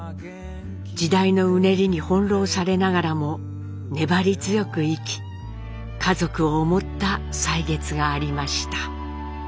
時代のうねりに翻弄されながらも粘り強く生き家族を思った歳月がありました。